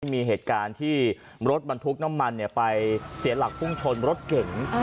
มีเหตุการณ์ที่รถบรรทุกน้ำมันไปเสียหลักพุ่งชนรถเก๋ง